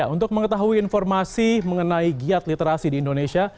untuk mengetahui informasi mengenai giat literasi di indonesia